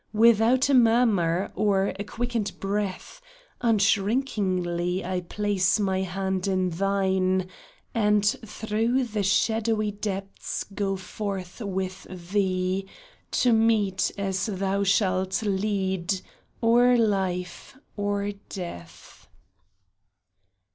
Without a murmur, or a quickened breath, Unshrinkingly I place my hand in thine, And through the shadowy depths go forth with thee To meet, as thou shalt lead, or life, or death